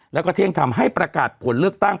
แล้วก็เที่ยงทำให้ประกาศผลเลือกตั้ง